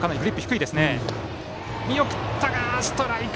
見送ったがストライク！